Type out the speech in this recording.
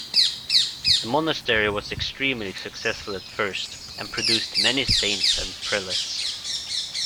The monastery was extremely successful at first, and produced many saints and prelates.